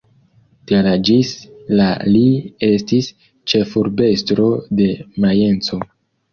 De la ĝis la li estis ĉefurbestro de Majenco.